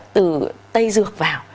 từ tây dược vào